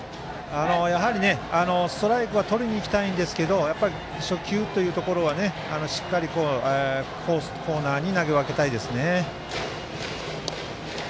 やはり、ストライクはとりに行きたいんですけど初球というところはしっかりコーナーに投げ分けたいですね。